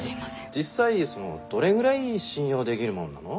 実際そのどれぐらい信用でぎるもんなの？